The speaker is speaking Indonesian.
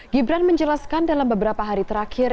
gibran menjelaskan dalam beberapa hari terakhir